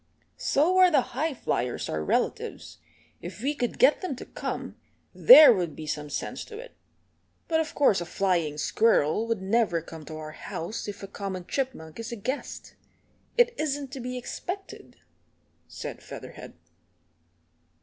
"So are the High Flyers our relatives. If we could get them to come there would be some sense to it. But of course a flying squirrel would never come to our house if a common chipmunk is a guest. It isn't to be expected," said Featherhead.